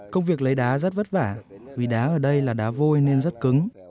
công việc lấy đá rất vất vả vì đá ở đây là đá vôi nên rất cứng